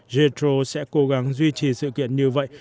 jetro sẽ cố gắng duy trì sự kiện như vậy